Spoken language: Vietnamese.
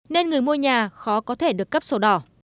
nên người mua nhà khó có thể được cấp sổ đỏ